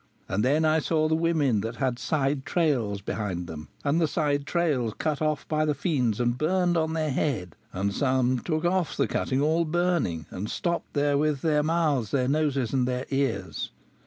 And then I saw the women that had side trails behind them, and the side trails cut off by the fiends and burned on their head; and some took of the cutting all burning and stopped therewith their mouths, their noses, and their ears.